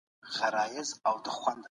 د کندز مرکزي ښار کندز دی.